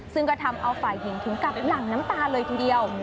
ซึ่งก็ทำเอาฝ่ายหญิงถึงกับหลั่งน้ำตาเลยทีเดียว